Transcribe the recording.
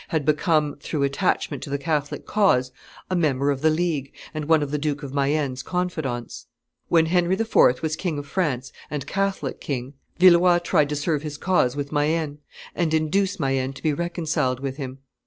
had become, through attachment to the Catholic cause, a member of the League, and one of the Duke of Mayenne's confidants. When Henry IV. was King of France, and Catholic king, Villeroi tried to serve his cause with Mayenne, and induce Mayenne to be reconciled with him.